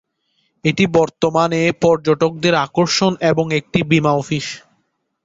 এটি বর্তমানে পর্যটকদের আকর্ষণ এবং একটি বীমা অফিস।